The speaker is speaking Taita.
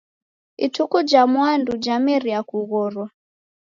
Ituku ja mwandu jamerie kughorwa.